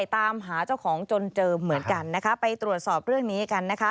ตามหาเจ้าของจนเจอเหมือนกันนะคะไปตรวจสอบเรื่องนี้กันนะคะ